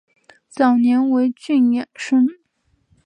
早年为郡庠生。